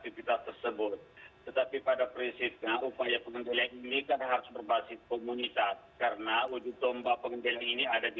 poin pentingnya adalah bagaimana membuatkan kebentuk persimpunan masyarakat